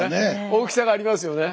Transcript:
大きさがありますよね。